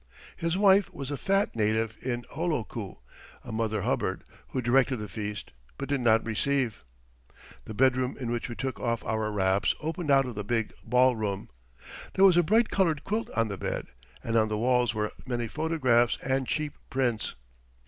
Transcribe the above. His wife was a fat native in a holoku a mother hubbard who directed the feast, but did not receive. The bedroom in which we took off our wraps opened out of the big ball room. There was a bright coloured quilt on the bed, and on the walls were many photographs and cheap prints.